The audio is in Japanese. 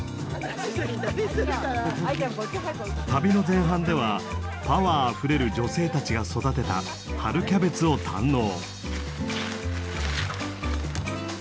旅の前半ではパワーあふれる女性たちが育てた春キャベツを堪能。